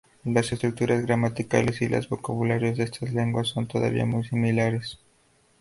Las estructuras gramaticales y los vocabularios de estas lenguas son todavía muy similares.